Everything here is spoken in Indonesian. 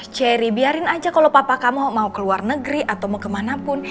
jerry biarin aja kalau papa kamu mau ke luar negeri atau mau ke manapun